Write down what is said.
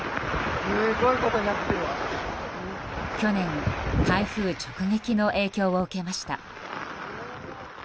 去年、台風直撃の影響を受けました。